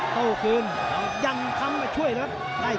หรือว่าผู้สุดท้ายมีสิงคลอยวิทยาหมูสะพานใหม่